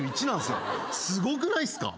すごくないっすか？